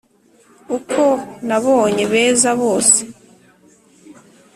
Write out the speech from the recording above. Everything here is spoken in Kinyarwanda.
Uko nababonye beza bose